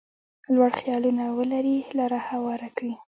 لوړ خیالونه ولري لاره هواره کړي.